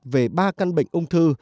về ba căn bệnh ung thư